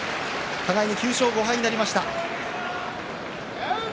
互いに９勝５敗になりました。